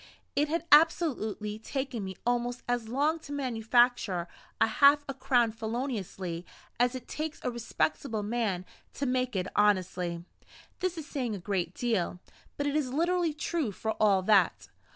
It had absolutely taken me almost as long to manufacture a half a crown feloniously as it takes a respectable man to make it honestly. This is saying a great deal; but it is literally true for all that.